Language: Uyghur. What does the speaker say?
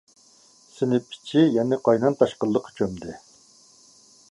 سىنىپ ئىچى يەنە قاينام-تاشقىنلىققا چۆمدى.